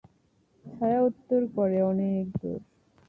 ছায়া উত্তর করে, অনেক দূর।